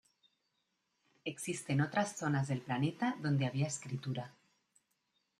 Existen otras zonas del planeta donde había escritura.